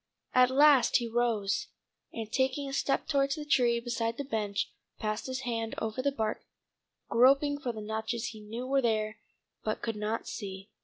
At last he rose, and taking a step towards the tree beside the bench, passed his hand over the bark, groping for the notches he knew were there but could not see.